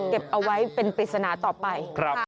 เก็บเอาไว้เป็นปริศนาต่อไป